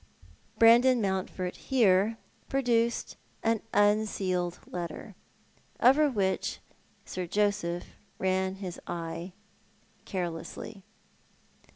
Brandon Mountford here produced an unsealed letter, over which Sir Joseph ran his eye carelessly.